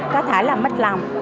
có thể là mít lòng